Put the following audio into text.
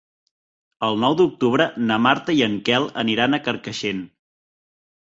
El nou d'octubre na Marta i en Quel aniran a Carcaixent.